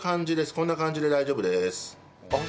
こんな感じで大丈夫です。